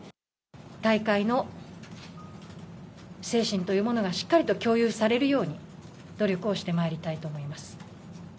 大会の精神というものがしっかりと共有されるように、努力をしてまいりたいと思います。